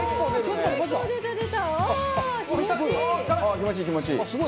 気持ちいい気持ちいい。